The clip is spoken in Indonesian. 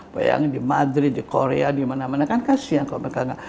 bayangin di madrid di korea di mana mana kan kasian kalau mereka nggak